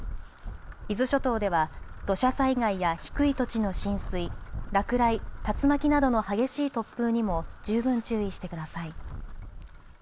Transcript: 伊豆諸島では土砂災害や低い土地の浸水、落雷、竜巻などの激しい突風にも十分注意してください。